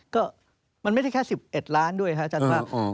ก็มันไม่ใช่แค่๑๑ล้านด้วยครับอาจารย์ว่า